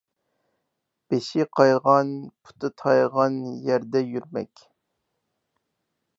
بېشى قايغان، پۇتى تايغان يەردە يۈرمەك.